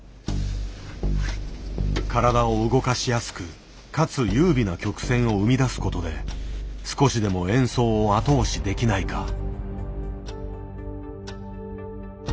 体を動かしやすくかつ優美な曲線を生み出すことで少しでも演奏を後押しできないか。